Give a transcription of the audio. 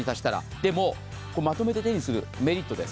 でも、まとめて手にするメリットです。